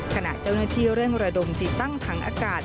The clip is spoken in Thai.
ขณะเจ้าหน้าที่เร่งระดมติดตั้งถังอากาศ